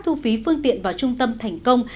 thu phí phương tiện vào trung tâm thành công